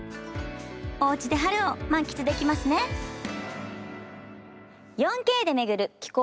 おうちで春を満喫できますね４Ｋで巡る紀行